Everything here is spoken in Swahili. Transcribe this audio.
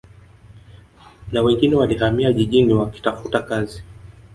Na wengine walihamia jijini wakitafuta kazi